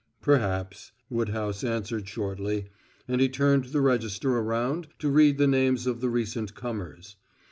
"Perhaps," Woodhouse answered shortly, and he turned the register around to read the names of the recent comers.